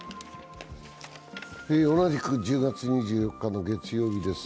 同じく１０月２４日の月曜日です。